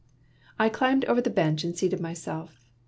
I climbed over the bench, and seated myself.